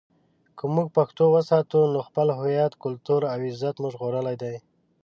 که موږ پښتو وساتو، نو خپل هویت، کلتور او عزت مو ژغورلی دی.